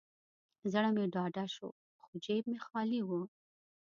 زړه مې ډاډه شو، خو جیب مې خالي و.